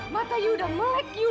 matanya udah melek you